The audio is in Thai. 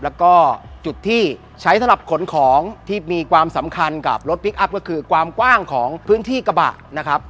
แล้วก็จุดที่ใช้สำหรับขนของที่มีความสำคัญกับรถพลิกอัพก็คือความกว้างของพื้นที่กระบะนะครับ